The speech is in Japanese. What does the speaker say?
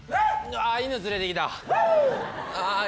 ああ犬連れてきた。